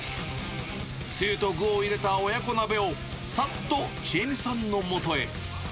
つゆと具を入れた鍋をさっと智恵美さんのもとへ。